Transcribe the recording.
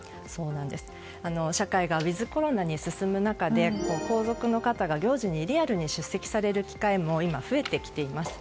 社会がウィズコロナに進む中で皇族の方が行事にリアルに出席される機会も今、増えてきています。